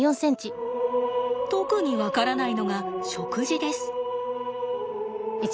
特に分からないのが食事です。